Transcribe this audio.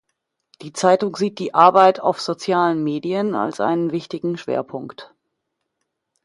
Die Zeitung sieht die Arbeit auf sozialen Medien als einen wichtigen Schwerpunkt.